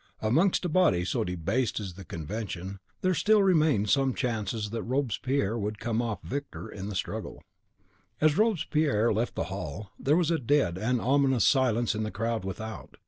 (Amongst a body so debased as the Convention, there still remained some chances that Robespierre would come off victor in the struggle.) As Robespierre left the hall, there was a dead and ominous silence in the crowd without.